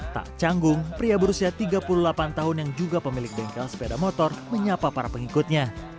tak canggung pria berusia tiga puluh delapan tahun yang juga pemilik bengkel sepeda motor menyapa para pengikutnya